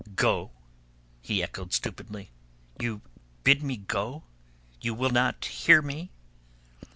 "Go?" he echoed stupidly. "You bid me go? You will not hear me?"